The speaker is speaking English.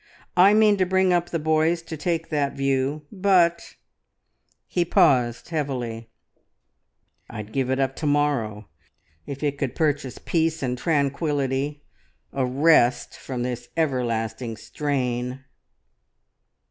I mean to bring up the boys to take that view. But " he paused heavily "I'd give it up to morrow if it could purchase peace and tranquillity, a rest from this everlasting strain!"